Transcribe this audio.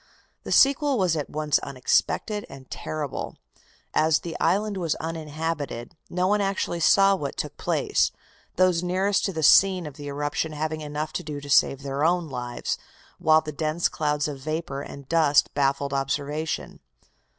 The sequel was at once unexpected and terrible. As the island was uninhabited, no one actually saw what took place, those nearest to the scene of the eruption having enough to do to save their own lives, while the dense clouds of vapor and dust baffled observation.